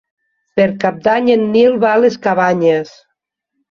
Per Cap d'Any en Nil va a les Cabanyes.